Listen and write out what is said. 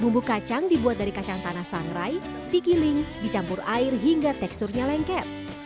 bumbu kacang dibuat dari kacang tanah sangrai dikiling dicampur air hingga teksturnya lengket